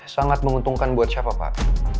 sangat menguntungkan buat siapa pak